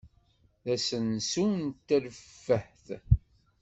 D asensu n terfeht.